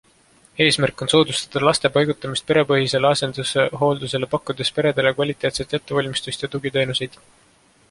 Eesmärk on soodustada laste paigutamist perepõhisele asendushooldusele pakkudes peredele kvaliteetset ettevalmistust ja tugiteenuseid.